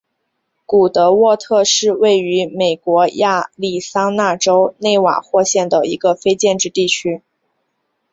古德沃特是位于美国亚利桑那州纳瓦霍县的一个非建制地区。